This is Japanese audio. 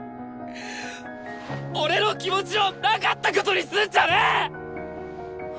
俺の気持ちをなかったことにすんじゃねえ！